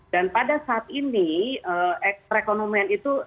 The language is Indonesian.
dan pada saat ini perekonomian itu